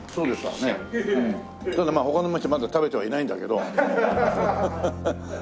ただまあ他の店まだ食べてはいないんだけど。